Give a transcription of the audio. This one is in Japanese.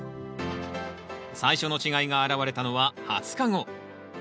最初の違いが現れたのは２０日後。